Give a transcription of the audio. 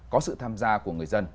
có sự tham gia của người dân